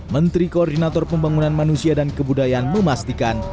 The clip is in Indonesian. menteri koordinator pembangunan manusia dan kebudayaan memastikan